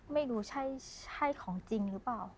ไม่รู้ใช่ของจริงหรือเปล่า